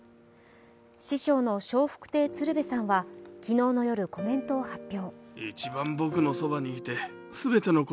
師匠の笑福亭鶴瓶さんは昨日の夜、コメントを発表。